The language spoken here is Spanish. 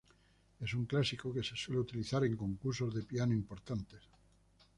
Es un clásico que se suele utilizar en concursos de piano importantes.